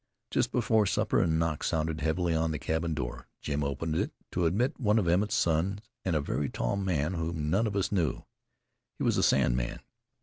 Just before supper, a knock sounded heavily on the cabin door. Jim opened it to admit one of Emmett's sons and a very tall man whom none of us knew. He was a sand man.